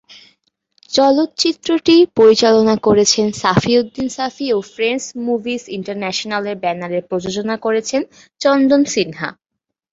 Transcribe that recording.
চলচ্চিত্রটি পরিচালনা করেছেন সাফি উদ্দিন সাফি ও ফ্রেন্ডস মুভিজ ইন্টারন্যাশনালের ব্যানারে প্রযোজনা করেছেন চন্দন সিনহা।